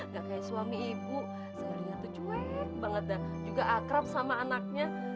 gak kayak suami ibu seharinya tuh cuek banget dan juga akrab sama anaknya